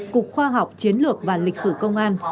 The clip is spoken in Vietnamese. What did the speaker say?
cục khoa học chiến lược và lịch sử công an